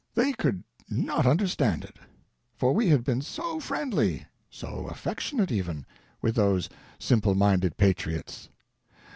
They could not understand it ; for we had been so friendly — so affectionate, even — with those simple minded patriots